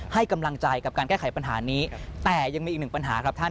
ให้กำลังใจกับการแก้ไขปัญหานี้แต่ยังมีอีกหนึ่งปัญหาครับท่าน